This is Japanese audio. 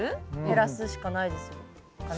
減らすしかないですかね？